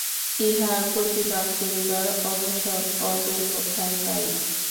ইহার প্রতিবাদ করিবার অবসর কবে কোথায় পাইব।